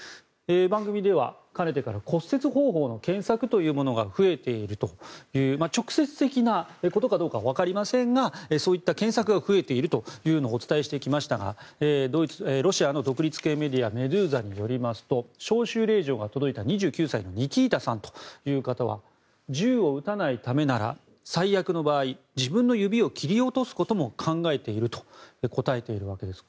番組では、かねてから骨折方法の検索というものが増えているという直接的なことかどうかわかりませんがそういった検索が増えているというのをお伝えしてきましたがロシアの独立系メディアメドゥーザによりますと招集令状が届いた２９歳のニキータさんという方は銃を撃たないためなら最悪の場合自分の指を切り落とすことも考えていると答えているわけです。